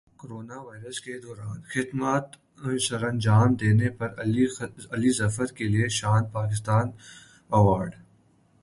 corona virus کے دوران خدمات سرانجام دینے پر علی ظفر کیلئے شان پاکستان ایوارڈ